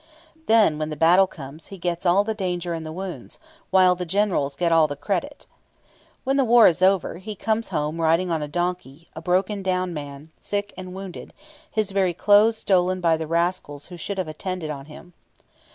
Then, when the battle comes, he gets all the danger and the wounds, while the Generals get all the credit. When the war is over, he comes home riding on a donkey, a broken down man, sick and wounded, his very clothes stolen by the rascals who should have attended on him.